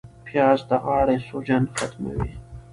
پیاز د غاړې سوجن ختموي